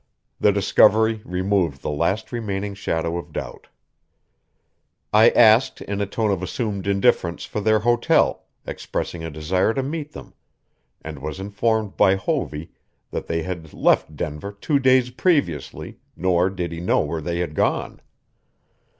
The discovery removed the last remaining shadow of doubt. I asked in a tone of assumed indifference for their hotel, expressing a desire to meet them and was informed by Hovey that they had left Denver two days previously, nor did he know where they had gone.